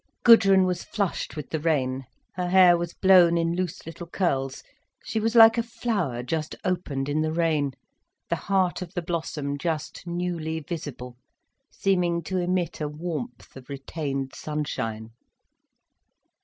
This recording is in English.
Gudrun was flushed with the rain, her hair was blown in loose little curls, she was like a flower just opened in the rain, the heart of the blossom just newly visible, seeming to emit a warmth of retained sunshine.